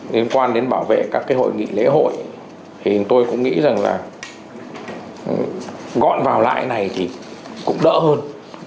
liên quan đến bảo vệ các hội nghị lễ hội tôi cũng nghĩ rằng gọn vào lại này thì cũng đỡ hơn